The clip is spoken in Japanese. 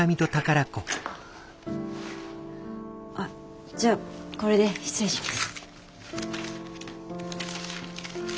あっじゃあこれで失礼します。